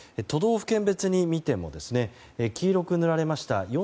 都道府県別に見ても黄色く塗られました